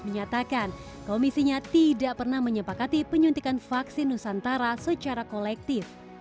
menyatakan komisinya tidak pernah menyepakati penyuntikan vaksin nusantara secara kolektif